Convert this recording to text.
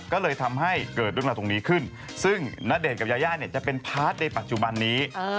ก็เลยทำให้เกิดเรื่องราวตรงนี้ขึ้นซึ่งณเดชน์กับยาย่าเนี่ยจะเป็นพาร์ทในปัจจุบันนี้